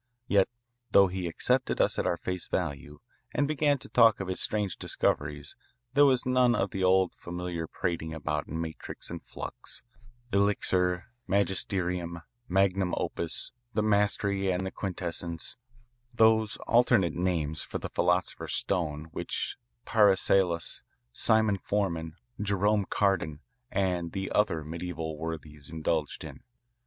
Yet, though he accepted us at our face value, and began to talk of his strange discoveries there was none of the old familiar prating about matrix and flux, elixir, magisterium, magnum opus, the mastery and the quintessence, those alternate names for the philosopher's stone which Paracelsus, Simon Forman, Jerome Cardan, and the other medieval worthies indulged in.